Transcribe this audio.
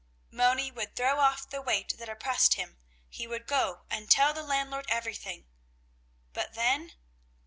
Moni would throw off the weight that oppressed him, he would go and tell the landlord everything But then?